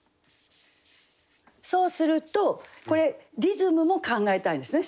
そうするとこれリズムも考えたいんですね